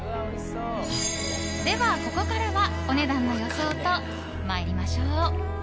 では、ここからはお値段の予想と参りましょう。